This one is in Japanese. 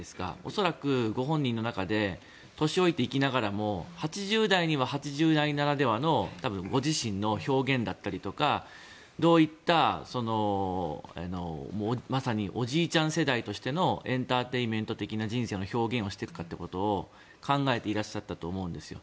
恐らくご本人の中で年老いていきながらも８０代には８０代ならではのご自身の表現だったりとかどういったまさにおじいちゃん世代としてのエンターテイメント的な人生の表現をしていくかということを考えていらっしゃったと思うんですよ。